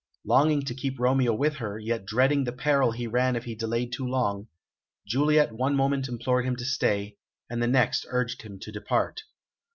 Longing to keep Romeo with her, yet dreading the peril he ran if he delayed too long, Juliet one moment implored him to stay, and the next urged him to depart.